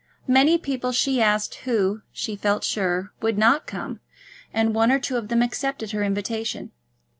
Many people she asked who, she felt sure, would not come, and one or two of them accepted her invitation.